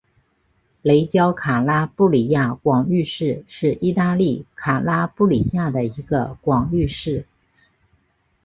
雷焦卡拉布里亚广域市是意大利卡拉布里亚的一个广域市。